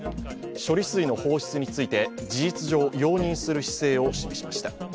処理水の放出について、事実上、容認する姿勢を示しました。